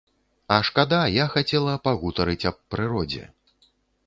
А шкада, я хацела пагутарыць аб прыродзе.